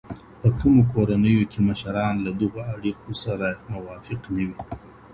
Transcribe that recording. په کومو کورنیو کې مشران له دغو اړیکو سره موافق نه وي؟